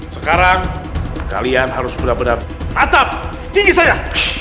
sekarang kalian harus benar dua tatap gigi saya